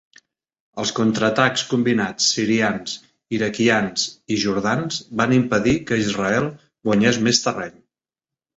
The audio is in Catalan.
Els contraatacs combinats sirians, iraquians i jordans van impedir que Israel guanyés més terreny.